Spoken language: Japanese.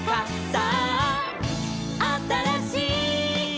「さああたらしい」